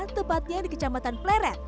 tepatnya di kecamatan pleret